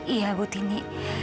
iya bu tini